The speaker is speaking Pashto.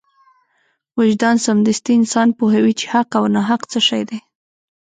وجدان سمدستي انسان پوهوي چې حق او ناحق څه شی دی.